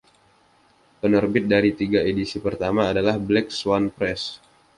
Penerbit dari tiga edisi pertama adalah Black Swan Press.